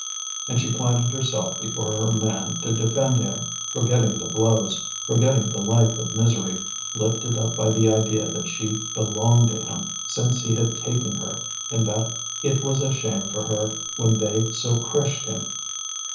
And she planted herself before her man to defend him, forgetting the blows, forgetting the life of misery, lifted up by the idea that she belonged to him since he had taken her, and that it was a shame for her when they so crushed him.